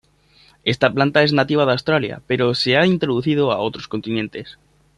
Esta planta es nativa de Australia, pero se ha introducido a otros continentes.